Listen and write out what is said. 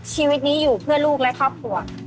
ชีวิตนี้อยู่เพื่อลูกและครอบครัว